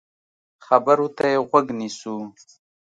خبرو ته يې غوږ نیسو.